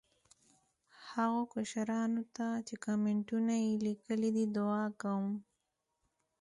هغو کشرانو ته چې کامینټونه یې لیکلي دي، دعا کوم.